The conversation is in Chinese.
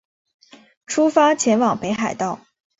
出发前往北海道